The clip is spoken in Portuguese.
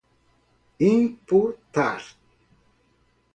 imputar